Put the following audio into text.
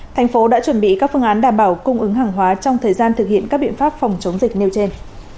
thành phố đã chuẩn bị các phương án đảm bảo cung ứng hàng hóa trong thời gian thực hiện các biện pháp phòng chống dịch nêu trên